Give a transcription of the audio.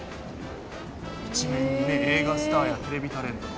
映画スターやテレビタレントの。